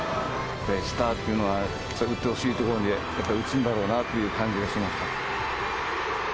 スターっていうのは打ってほしいところでやっぱり打つんだろうなっていう感じがしました。